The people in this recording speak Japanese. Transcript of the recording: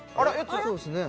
そうですね